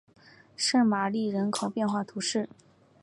圣玛丽人口变化图示